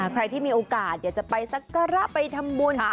ใครที่มีโอกาสอยากจะไปสักการะไปทำบุญ